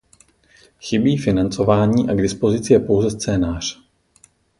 Chybí financování a k dispozici je pouze scénář.